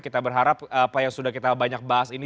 kita berharap apa yang sudah kita banyak bahas ini